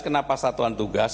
kenapa satuan tugas